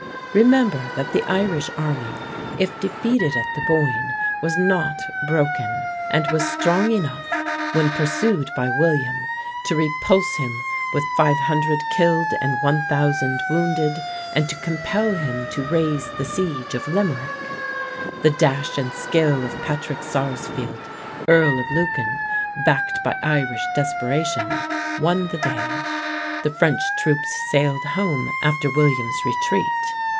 Remember that the Irish army, if defeated at the Boyne, was not broken, and was strong enough, when pursued by William, to repulse him with 500 killed and 1,000 wounded and to compel him to raise the siege of Limerick. The dash and skill of Patrick Sarsfield, Earl of Lucan, backed by Irish desperation, won the day. The French troops sailed home after William's retreat.